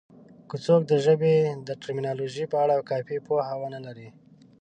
که څوک د ژبې د ټرمینالوژي په اړه کافي پوهه ونه لري